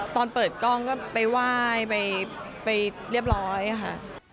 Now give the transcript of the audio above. ตอนเปิดกล้องก็ไปไหว้ไปเรียบร้อยค่ะ